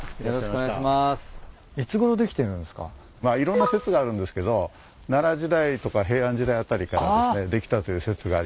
まあいろんな説があるんですけど奈良時代とか平安時代辺りからですねできたという説がありましてですね。